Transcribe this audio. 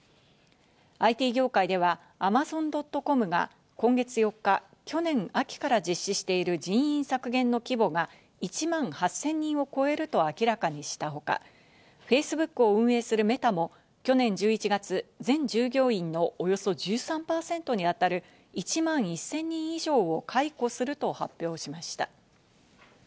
ＩＴ業界ではアマゾン・ドット・コムが今月４日、去年秋から実施している人員削減の規模が１万８０００人を超えると明らかにしたほか、フェイスブックを運営するメタも去年１１月、全従業員のおよそ１３％にあたる１万１０００人以上を解雇すると発表しました。